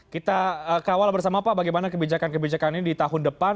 kita kawal bersama pak bagaimana kebijakan kebijakan ini di tahun depan